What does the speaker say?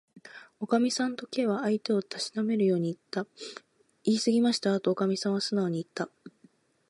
「おかみさん」と、Ｋ は相手をたしなめるようにいった。「いいすぎましたわ」と、おかみはすなおにいった。